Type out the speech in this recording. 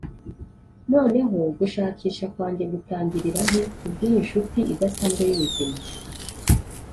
noneho gushakisha kwanjye gutangirira he, kubwiyi nshuti idasanzwe y'ubuzima?